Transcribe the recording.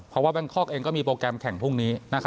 เพราะว่าแบงคอกเองก็มีโปรแกรมแข่งพรุ่งนี้